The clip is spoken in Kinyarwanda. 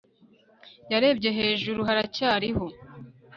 Yarebye hejuru haracyariho